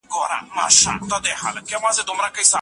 د الوتکې پرده د پیلوټ د معلوماتو له امله بنده شوه.